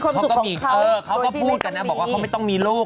เขาก็พูดกันนะเขาบอกว่าเขาไม่ต้องมีลูก